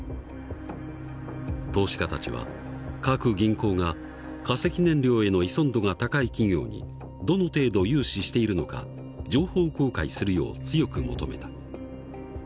投資家たちは各銀行が化石燃料への依存度が高い企業にどの程度融資しているのか情報公開するよう強く求めた。